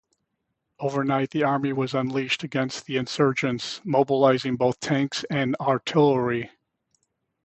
Overnight, the army was unleashed against the insurgents, mobilizing both tanks and artillery.